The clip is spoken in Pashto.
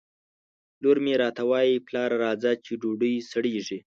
لور مې راته وایي ! پلاره راځه چې ډوډۍ سړېږي